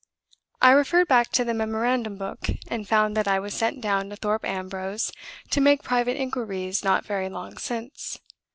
I referred back to the memorandum book, and found that I was sent down to Thorpe Ambrose to make private inquiries not very long since.